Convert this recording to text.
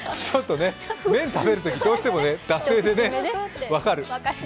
麺食べるとき、どうしても惰性で、分かる。